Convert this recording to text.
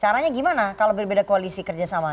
caranya gimana kalau berbeda koalisi kerjasama